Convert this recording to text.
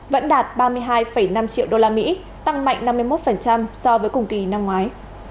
vẫn đạt ba mươi hai năm triệu usd tăng mạnh năm mươi một so với cùng kỳ năm ngoái